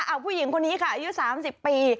เอาผู้หญิงคนนี้ค่ะอายุ๓๐ปี